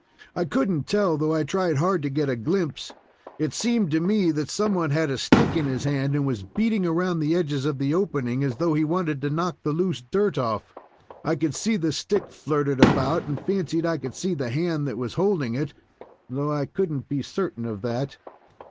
"I couldn't tell, though I tried hard to get a glimpse. It seemed to me that some one had a stick in his hand, and was beating around the edges of the opening, as though he wanted to knock the loose dirt off. I could see the stick flirted about, and fancied I could see the hand that was holding it, though I could n't be certain of that."